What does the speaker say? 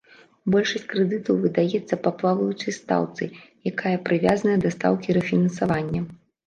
Большасць крэдытаў выдаецца па плаваючай стаўцы, якая прывязаная да стаўкі рэфінансавання.